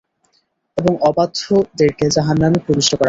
এবং অবাধ্যদেরকে জাহান্নামে প্রবিষ্ট করাবেন।